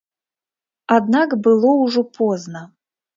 Аднак было ўжо позна.